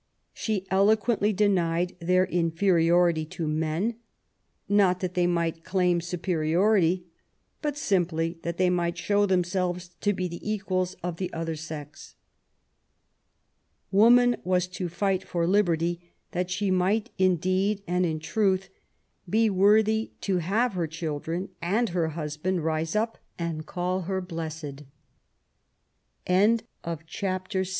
She eloquently denied their inferiority to men, not that they might claim superiority, but simply that they might show themselves to be the equals of the other sex. Woman was to fight for liberty that she might in deed and in truth be worthy to have her children and her husb